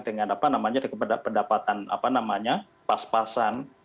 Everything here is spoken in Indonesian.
dengan pendapatan pas pasan